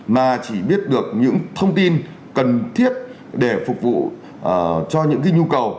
mà chỉ biết được những thông tin cần thiết để phục vụ cho những nhu cầu